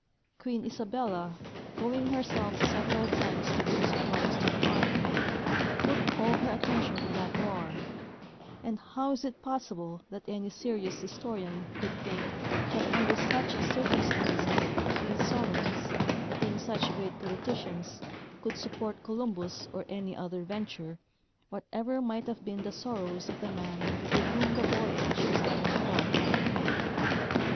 Queen Isabella, going herself several times to bring supplies to the army, put all her attention in that war ; and how is it possible that any serious historian could think that under such circumstances these sovereigns, being such great politicians, could support Colum bus or any other venture, whatever might have been the sorrows of the man with whom the voyage was the only thought?